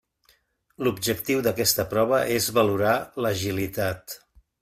L'objectiu d'aquesta prova és valorar l'agilitat.